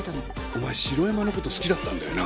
お前城山の事好きだったんだよな？